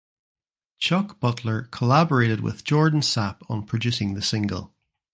Chuck Butler collaborated with Jordan Sapp on producing the single.